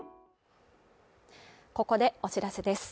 ここでお知らせです。